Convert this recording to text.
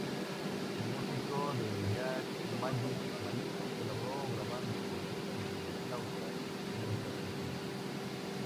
El músico de jazz Magik Malik colaboró grabando notas de flauta en algunas canciones.